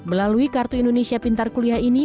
melalui kartu indonesia pintar kuliah ini